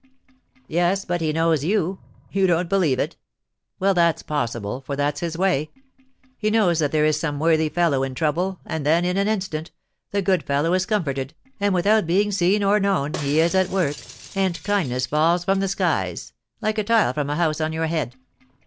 "Yes, but he knows you. You don't believe it? Well, that's possible, for that's his way. He knows that there is some worthy fellow in trouble, and then, in an instant, the good fellow is comforted, and, without being seen or known, he is at work, and kindness falls from the skies, like a tile from a house on your head.